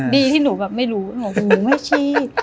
ดีที่หนูแบบไม่รู้หนูไม่ชี้